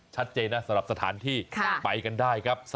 ชัดเจนนะสำหรับสถานที่ไปกันได้ครับ